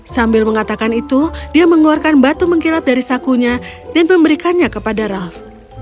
sambil mengatakan itu dia mengeluarkan batu mengkilap dari sakunya dan memberikannya kepada raff